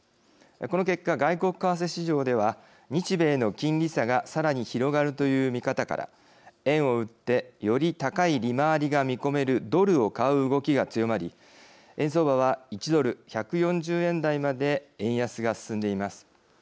この結果外国為替市場では日米の金利差がさらに広がるという見方から円を売ってより高い利回りが見込めるドルを買う動きが強まり円相場は１ドル１４０円台まで円安が進んでいます。